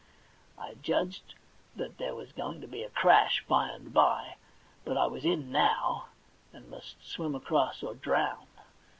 I judged that there was going to be a crash by and by, but I was in, now, and must swim across or drown.